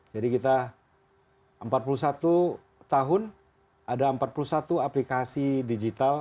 jadi kita empat puluh satu tahun ada empat puluh satu aplikasi digital